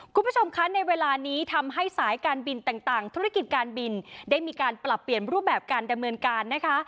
คุณผู้ชมคะในเวลานี้ทำให้สายการบินต่างธุรกิจการบินได้มีการปรับเปลี่ยนรูปแบบการดำเนินการนะคะ